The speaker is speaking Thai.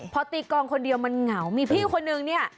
พอตีกองคนเดียวมันเหงามีพี่คนนึงเนี่ย